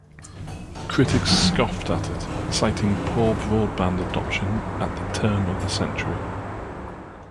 Critics scoffed at it, citing poor broadband adoption at the turn of the century.